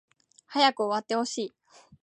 早く終わってほしい